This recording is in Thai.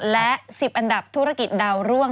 และ๑๐อันดับธุรกิจดาวร่วง